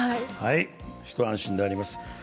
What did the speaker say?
一安心であります。